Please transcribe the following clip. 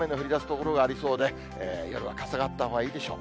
所がありそうで、夜は傘があったほうがいいでしょう。